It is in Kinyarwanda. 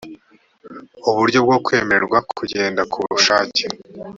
uburyo bwo kwemererwa kugenda ku bushake